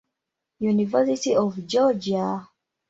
University of Georgia.